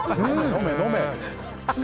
飲め、飲め！